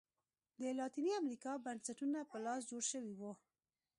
د لاتینې امریکا بنسټونه په لاس جوړ شوي وو.